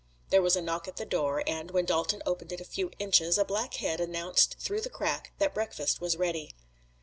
There was a knock at the door, and, when Dalton opened it a few inches, a black head announced through the crack that breakfast was ready.